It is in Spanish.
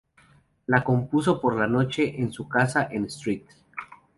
La compuso por la noche en su casa en St.